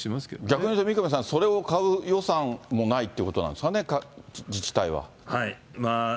逆に言うと三上さん、それを買う予算もないということなんですかね、自治体は。